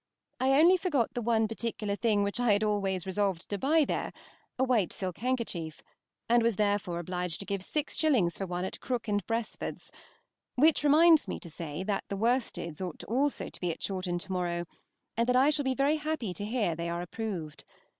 I only forgot the one particular thing which I had always resolved to buy there, a white silk handkerchief, and was therefore obliged to give six shillings for one at Crook and Besford's; which reminds me to say that the worsteds ought also to be at Chawton to morrow, and that I shall be very happy to hear they are approved.